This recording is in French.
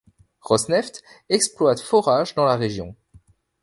Rosneft exploite forages dans la région.